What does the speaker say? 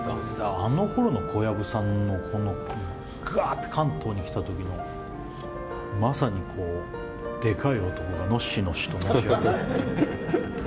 あのころの小籔さんのがーって関東に来た時のまさにでかい男がのし歩いて。